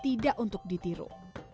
tidak untuk ditiru